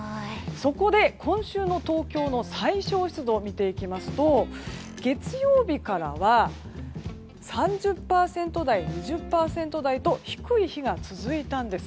そこで、今週の東京の最小湿度を見ていきますと月曜日からは３０％台２０％台と低い日が続いたんです。